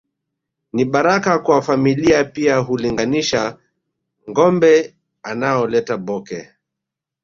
Ni baraka kwa familia pia hulinganisha ngombe anaoleta Bhoke